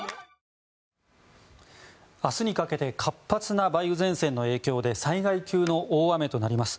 明日にかけて活発な梅雨前線の影響で災害級の大雨となります。